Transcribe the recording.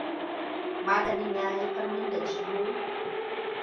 Maganin ya haifar min da ciwo?